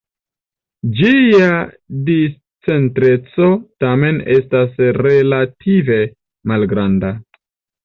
Ĝia discentreco tamen estas relative malgranda.